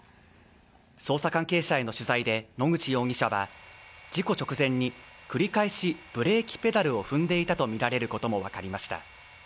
捜査関係者への取材で野口容疑者は事故直前に繰り返しブレーキペダルを踏んでいたとみられることが分かりました。